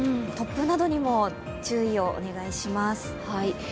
突風などにも注意をお願いします。